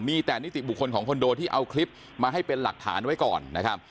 มีแต่นิติบุคคลของคอนโดที่เอาคลิปมาให้เป็นหลักฐานไว้ก่อนนะครับ